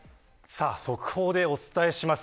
速報でお伝えします。